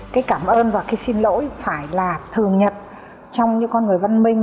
cái cảm ơn và cái xin lỗi phải là thường nhật trong những con người văn minh